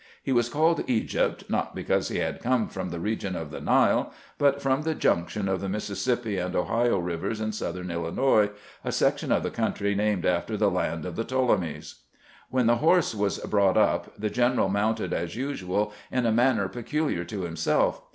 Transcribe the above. He was called " Egypt," not because he had come from the region of the Nile, but from the junction of the Mississippi and Ohio rivers in 164 CAMPAIGNING WITH GKANT southern Illinois, a section of country named after the land of the Ptolemies. When the horse was brought up the general mounted as usual in a manner peculiar to himself.